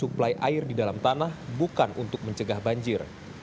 menurut irwan permainan air di dalam tanah bukan untuk mencegah banjir